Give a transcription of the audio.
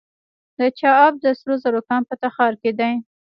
د چاه اب د سرو زرو کان په تخار کې دی